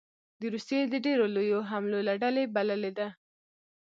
د روسیې د ډېرو لویو حملو له ډلې بللې ده